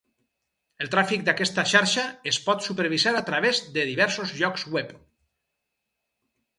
El tràfic d'aquesta xarxa es pot supervisar a través de diversos llocs web.